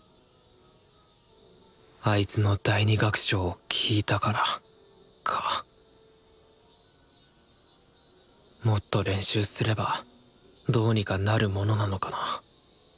あいつの第２楽章を聴いたからかもっと練習すればどうにかなるものなのかな。